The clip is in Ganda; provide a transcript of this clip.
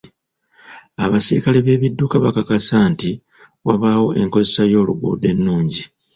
Abasirikale b'ebidduka bakakasa nti wabaawo enkozesa y'oluguudo ennungi.